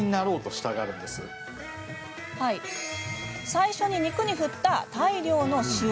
最初に肉に振った大量の塩。